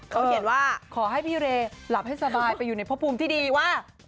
เขาเขียนว่าขอให้พี่เรหลับให้สบายไปอยู่ในพบภูมิที่ดีว่า